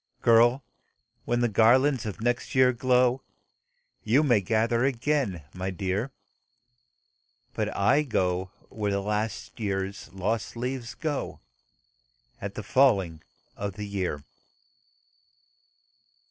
Girl! when the garlands of next year glow, YOU may gather again, my dear But I go where the last year's lost leaves go At the falling of the year."